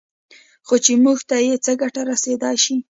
خو چې موږ ته یې څه ګټه رسېدای شي